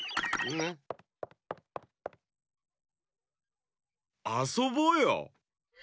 ぬ？あそぼうよ！